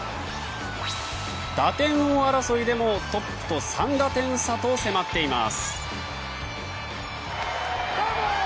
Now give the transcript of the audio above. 打点王争いでもトップと３打点差と迫っています。